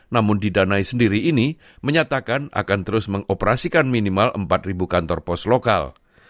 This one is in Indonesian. namun didanai sendiri ini menyatakan akan terus mengoperasikan minimal empat kantor pos lokal